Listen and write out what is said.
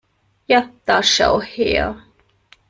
Ja da schau her!